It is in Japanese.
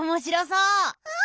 うん。